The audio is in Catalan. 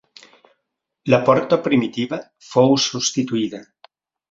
La porta primitiva fou substituïda.